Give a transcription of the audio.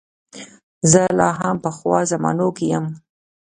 زه لا هم په پخوا زمانو کې یم.